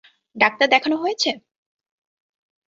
Doctor দেখানো হয়েছে?